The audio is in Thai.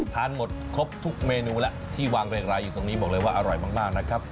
ทานหมดครบทุกเมนูแล้วที่วางเรียงรายอยู่ตรงนี้บอกเลยว่าอร่อยมากนะครับ